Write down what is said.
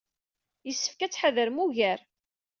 Yessefk ad tettḥadarem ugar.